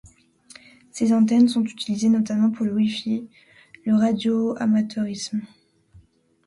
Ces antennes sont utilisées notamment pour le Wi-Fi, le radioamateurisme.